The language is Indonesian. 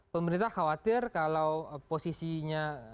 pemerintah khawatir kalau posisinya